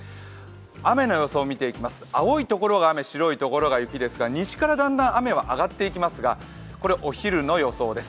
雨の予想を見ていきます、青いところが雨、白いところが雪ですが、西からだんだん雨は上がっていきますが、これお昼の予想です。